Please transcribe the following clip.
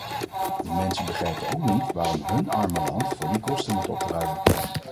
De mensen begrijpen ook niet waarom hun arme land voor die kosten moet opdraaien.